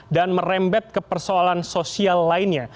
dan merembet ke persoalan sosial lainnya